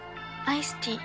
アイスティー。